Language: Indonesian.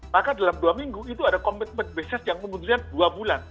maka dalam dua minggu itu ada komitmen bisnis yang memutuskan dua bulan